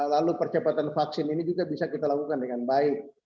lalu percepatan vaksin ini juga bisa kita lakukan dengan baik